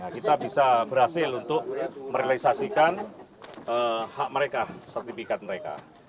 kita bisa berhasil untuk merealisasikan hak mereka sertifikat mereka